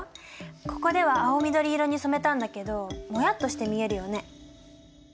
ここでは青緑色に染めたんだけどもやっとして見えるよね。